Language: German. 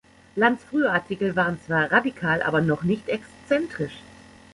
Lanz’ frühe Artikel waren zwar radikal, aber noch nicht exzentrisch.